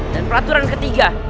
dan peraturan ketiga